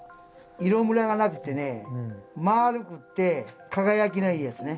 色むらがなくてね丸くって輝きのいいやつね。